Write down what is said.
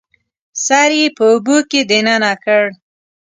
سر یې په اوبو کې دننه کړ